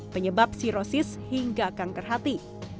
penyebab sirosis hingga kanker hati